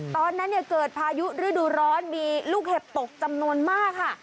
ตอนนั้นเนี่ยเกิดพายุฤดูร้อนมีลูกเห็บตกจำนวนมากค่ะ